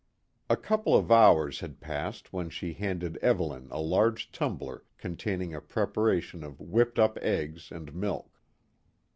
A couple of hours had passed when she handed Evelyn a large tumbler containing a preparation of whipped up eggs and milk.